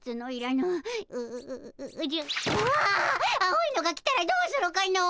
青いのが来たらどうするかの。